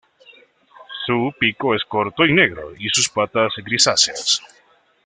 Su pico es corto y negro y sus patas grisáceas.